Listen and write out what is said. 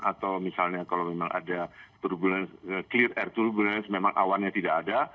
atau misalnya kalau memang ada clear air turbulls memang awannya tidak ada